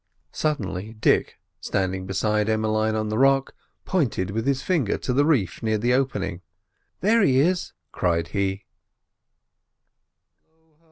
Suddenly Dick, standing beside Emmeline on the rock, pointed with his finger to the reef near the opening. "There he is!" cried he.